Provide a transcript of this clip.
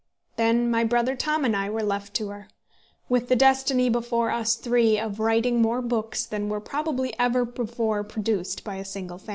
Then my brother Tom and I were left to her, with the destiny before us three of writing more books than were probably ever before produced by a single family.